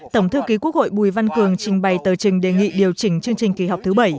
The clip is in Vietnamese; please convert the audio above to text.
tổng thư ký quốc hội bùi văn cường trình bày tờ trình đề nghị điều chỉnh chương trình kỳ họp thứ bảy